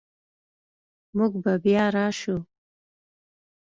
موږ به بیا راشو